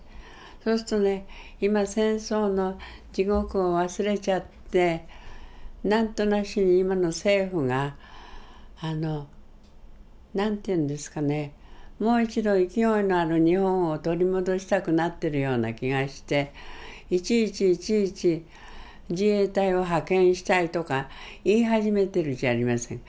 そうするとね今戦争の地獄を忘れちゃって何となしに今の政府が何ていうんですかねもう一度勢いのある日本を取り戻したくなってるような気がしていちいちいちいち「自衛隊を派遣したい」とか言い始めてるじゃありませんか。